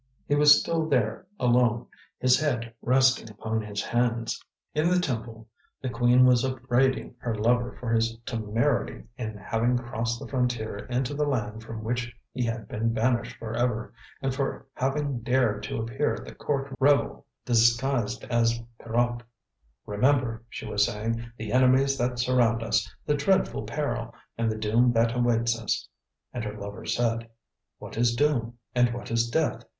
He was still there, alone, his head resting upon his hands. In the temple the Queen was upbraiding her lover for his temerity in having crossed the frontier into the land from which he had been banished for ever, and for having dared to appear at the court revel disguised as Pierrot. "Remember," she was saying, "the enemies that surround us, the dreadful peril, and the doom that awaits us." And her lover said: "What is doom, and what is death?